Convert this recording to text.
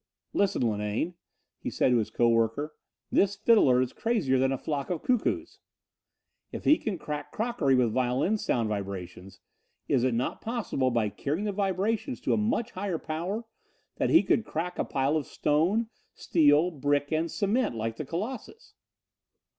"Listen, Linane," he said to his co worker: "this fiddler is crazier than a flock of cuckoos. If he can crack crockery with violin sound vibrations, is it not possible, by carrying the vibrations to a much higher power, that he could crack a pile of stone, steel, brick and cement, like the Colossus?"